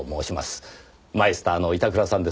マイスターの板倉さんですね？